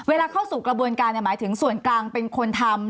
เข้าสู่กระบวนการหมายถึงส่วนกลางเป็นคนทำ